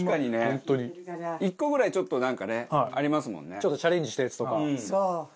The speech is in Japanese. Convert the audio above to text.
ちょっとチャレンジしたやつとか。